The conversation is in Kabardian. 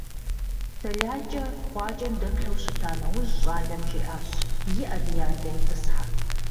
ТэлайкӀэ къуакӀэм дэплъэу щыта нэужь, щӀалэм жиӀащ: - ИӀэ, ди адэ, итӀысхьэ.